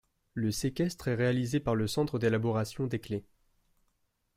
Le séquestre est réalisé par le centre d'élaboration des clefs.